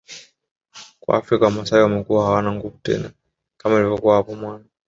kwa Afrika wamasai wamekuwa hawana nguvu tena kama ilivyokuwa hapo mwanzo